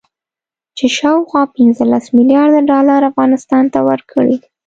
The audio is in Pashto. چې شاوخوا پنځلس مليارده ډالر افغانستان ته ورکړي